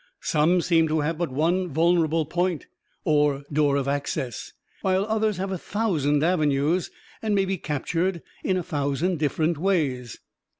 Some seem to have but one vulnerable point, or door of access; while others have a thousand avenues, and may be captured in a thousand different ways.